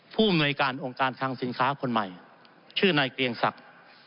ผู้อำนวยการองค์การคังสินค้าคนใหม่ชื่อนายเกลียงศักดิ์